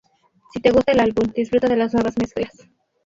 Si te gusta el álbum, disfruta de las nuevas mezclas.